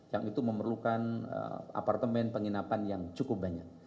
yang itu memerlukan apartemen penginapan yang cukup banyak